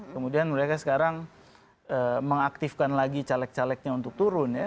kemudian mereka sekarang mengaktifkan lagi caleg calegnya untuk turun ya